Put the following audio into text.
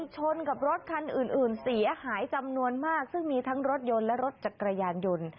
ชนกับรถคันอื่นอื่นเสียหายจำนวนมากซึ่งมีทั้งรถยนต์และรถจักรยานยนต์